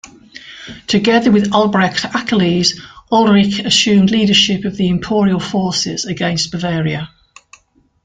Together with Albrecht Achilles, Ulrich assumed leadership of the imperial forces against Bavaria.